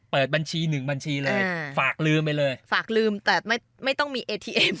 เปิดบัญชีหนึ่งบัญชีเลยฝากลืมไปเลยฝากลืมแต่ไม่ไม่ต้องมีเอทีเอ็ม